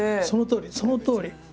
そのとおりそのとおり。